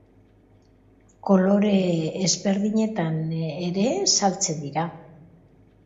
Kolore ezberdinetan ere saltzen dira.